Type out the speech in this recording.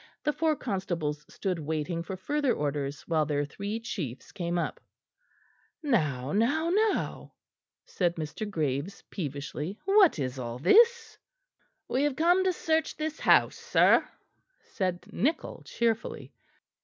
The four constables stood waiting for further orders while their three chiefs came up. "Now, now, now!" said Mr. Graves peevishly, "what is all this?" "We have come to search this house, sir," said Nichol cheerfully.